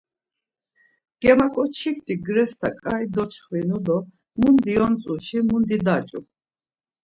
Germaǩoçikti grest̆a ǩai donçxvinu do mundi yontzuşi mundi daç̌u.